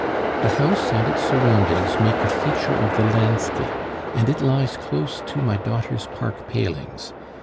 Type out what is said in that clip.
The house and its surroundings make a feature of the landscape, and it lies close to my daughter's park palings.